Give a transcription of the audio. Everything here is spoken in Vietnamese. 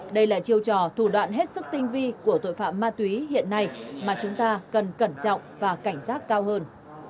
đây là chiêu trò thủ đoạn hết sức tinh vi của tội phạm ma túy hiện nay mà chúng ta cần cẩn trọng và cảnh giác cao hơn